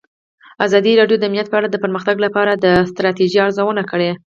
ازادي راډیو د امنیت په اړه د پرمختګ لپاره د ستراتیژۍ ارزونه کړې.